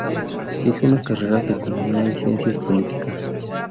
Hizo una carrera de economía y ciencias políticas.